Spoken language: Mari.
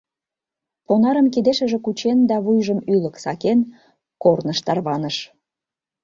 Понарым кидешыже кучен да вуйжым ӱлык сакен, корныш тарваныш.